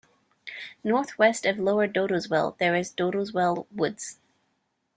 Northwest of Lower Dowdeswell, there is Dowdeswell Woods.